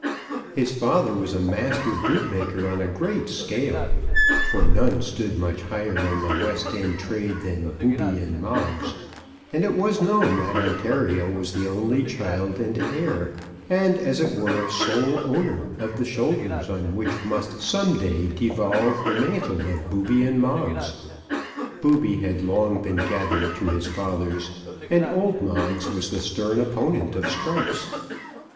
His father was a master bootmaker on a great scale; for none stood much higher in the West end trade than Booby and Moggs; and it was known that Ontario was the only child and heir, and as it were sole owner of the shoulders on which must some day devolve the mantle of Booby and Moggs. Booby had long been gathered to his fathers, and old Moggs was the stern opponent of strikes.